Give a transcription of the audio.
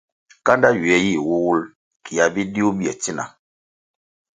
Kanda ywie yih wuwul kia bidiu bye tsina.